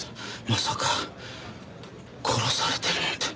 まさか殺されてるなんて。